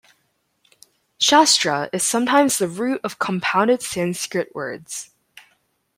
Shastra is sometimes the root of compounded Sanskrit words.